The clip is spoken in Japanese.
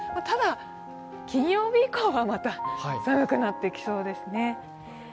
ただ、金曜日以降はまた寒くなってきそうですね。